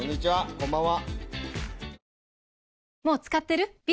こんばんは。